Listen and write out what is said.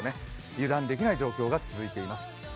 油断できない状況が続いています。